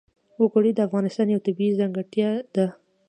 وګړي د افغانستان یوه طبیعي ځانګړتیا ده.